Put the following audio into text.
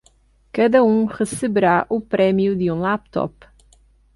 Cada um receberá o prêmio de um laptop.